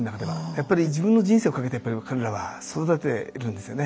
やっぱり自分の人生を懸けて彼らは育てているんですよね。